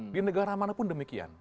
di negara mana pun demikian